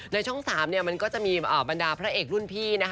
ในช่อง๓เนี่ยมันก็จะมีบรรดาพระเอกรุ่นพี่นะคะ